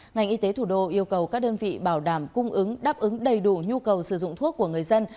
ngành y tế thủ đô yêu cầu các đơn vị bảo đảm cung ứng đáp ứng đầy đủ nhu cầu sử dụng thuốc của người dân